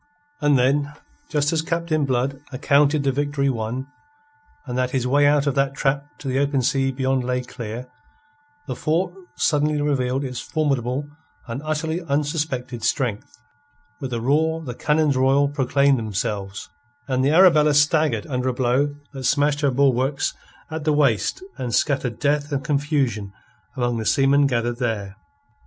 And then, just as Captain Blood accounted the victory won, and that his way out of that trap to the open sea beyond lay clear, the fort suddenly revealed its formidable and utterly unsuspected strength. With a roar the cannons royal proclaimed themselves, and the Arabella staggered under a blow that smashed her bulwarks at the waist and scattered death and confusion among the seamen gathered there.